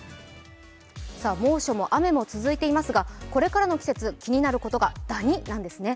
猛暑も雨も続いていますがこれからの季節、気になることがダニなんですね。